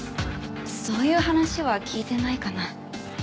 そういう話は聞いてないかな。